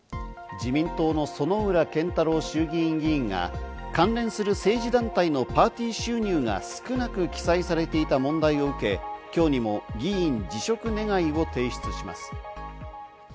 自民党の薗浦健太郎衆議院議員が関連する政治団体のパーティー収入が少なく記載されていた問題を受け、今日にも議員辞職願を提出します。